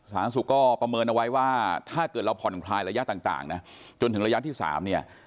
สาธารณสุขก็ประเมินเอาไว้ว่าถ้าเกิดเราผ่อนคลายระยะต่างนะจนถึงระยะที่๓เนี่ย